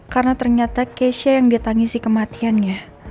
karena ternyata keisha yang dia tangisi kematiannya